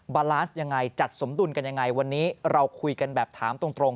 บาลานซ์ยังไงจัดสมดุลกันยังไงวันนี้เราคุยกันแบบถามตรง